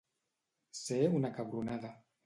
Ser una cabronada.